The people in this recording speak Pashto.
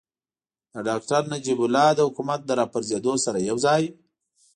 د ډاکتر نجیب الله د حکومت له راپرځېدو سره یوځای.